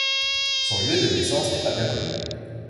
Son lieu de naissance n'est pas bien connu.